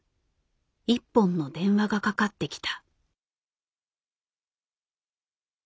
一本の電話がかかってきた。